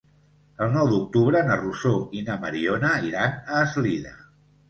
El nou d'octubre na Rosó i na Mariona iran a Eslida.